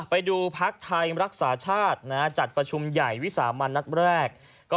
พักไทยรักษาชาติจัดประชุมใหญ่วิสามันนัดแรก